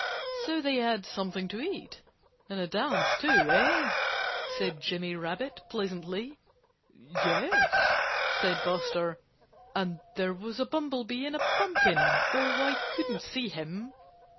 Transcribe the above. "So they had something to eat and a dance too, eh?" said Jimmy Rabbit pleasantly. "Yes," said Buster, "and there was a bumblebee in a pumpkin, though I couldn't see him.